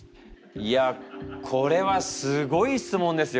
いやこれはすごい質問ですよ。